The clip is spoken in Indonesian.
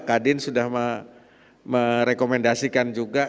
kadin sudah merekomendasikan juga